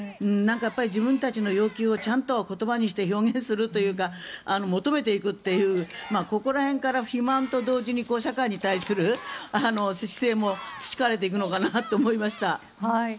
自分たちの要求をちゃんと言葉にして表現するというか求めていくというここら辺から肥満と同時に社会に対する姿勢も培われていくのかと思いました。